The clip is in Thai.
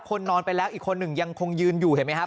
คนนอนไปแล้วอีกคนหนึ่งยังคงยืนอยู่เห็นไหมครับ